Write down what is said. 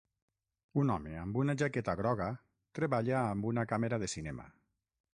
Un home amb una jaqueta groga treballa amb una càmera de cinema.